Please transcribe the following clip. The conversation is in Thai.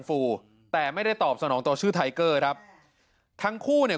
ฟูแต่ไม่ได้ตอบสนองต่อชื่อไทเกอร์ครับทั้งคู่เนี่ย